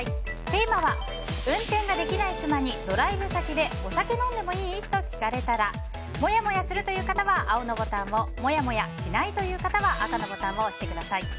テーマは、運転ができない妻にドライブ先でお酒飲んでもいい？と聞かれたらモヤモヤするという方は青のボタンをモヤモヤしないという方は赤のボタンを押してください。